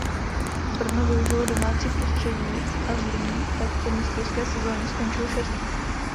Brno využilo domácího prostředí a Zlín tak po mistrovské sezoně skončil šestý.